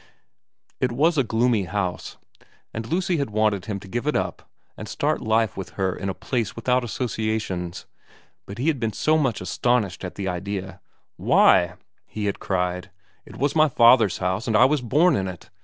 It was a gloomy house, and Lucy had wanted him to give it up and start life with her in a place without associations, but he had been so much astonished at the idea ' Why,' he had cried, ' it was my father's house and I was born in it